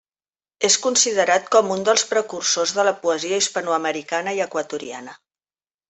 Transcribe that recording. És considerat com un dels precursors de la poesia hispanoamericana i equatoriana.